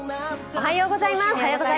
おはようございます。